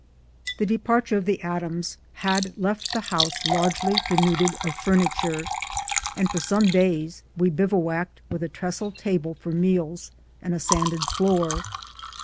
The departure of the Adams' had left the house largely denuded of furniture, and for some days we bivouacked with a trestle table for meals and a sanded floor.